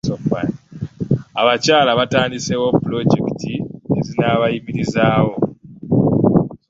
Abakyala batandisewo pulojekiti ezinaabayimirizawo.